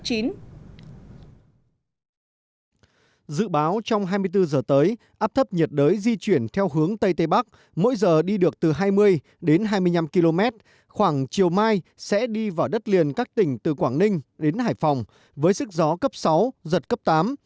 dự báo trong hai mươi bốn giờ tới áp thấp nhiệt đới di chuyển theo hướng tây tây bắc mỗi giờ đi được từ hai mươi đến hai mươi năm km khoảng chiều mai sẽ đi vào đất liền các tỉnh từ quảng ninh đến hải phòng với sức gió cấp sáu giật cấp tám